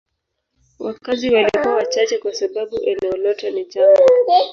Wakazi walikuwa wachache kwa sababu eneo lote ni jangwa.